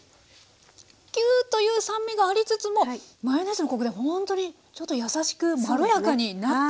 キューッという酸味がありつつもマヨネーズのコクでほんとにちょっと優しくまろやかになってますね。